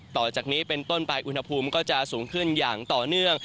ต่อจากนี้เป็นต้นไปอุณหภูมิก็จะสูงขึ้นอย่างต่อเนื่อง